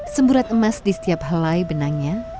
semburat emas di setiap helai benangnya